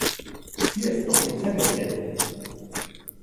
Hier ist noch ihr Zettelchen.